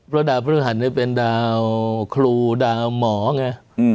เพราะดาวพฤหัสนี่เป็นดาวครูดาวหมอไง